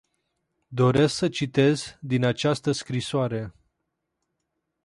Doresc să citez din această scrisoare.